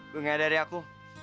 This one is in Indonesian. bunga dari aku